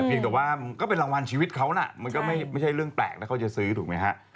แต่ว่ามันก็เป็นรางวัลชีวิตเขานะมันก็ไม่ใช่เรื่องแปลกนะเขาจะซื้อถูกไหมฮะ